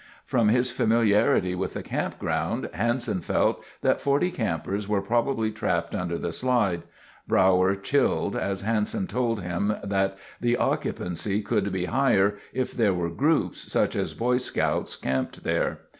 From his familiarity with the campground, Hanson felt that 40 campers were probably trapped under the slide. Brauer chilled as Hanson told him that the occupancy could be higher if there were groups, such as Boy Scouts, camped there.